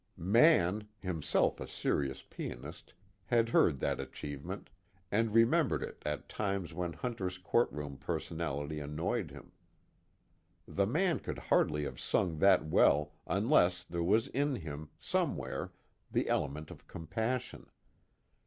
Mann, himself a serious pianist, had heard that achievement, and remembered it at times when Hunter's courtroom personality annoyed him: the man could hardly have sung that well unless there was in him, somewhere, the element of compassion.